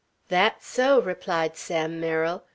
"That's so!" replied Sam Merrill.